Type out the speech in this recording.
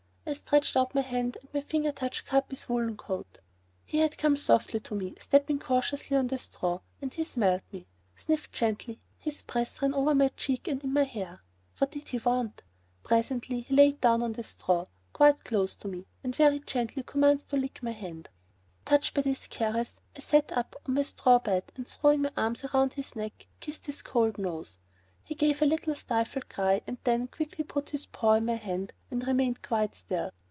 I stretched out my hand and my finger touched Capi's woolly coat. He had come softly to me, stepping cautiously on the straw, and he smelt me: he sniffed gently, his breath ran over my cheek and in my hair. What did he want? Presently he laid down on the straw, quite close to me, and very gently he commenced to lick my hand. Touched by this caress, I sat up on my straw bed and throwing my arms round his neck kissed his cold nose. He gave a little stifled cry, and then quickly put his paw in my hand and remained quite still.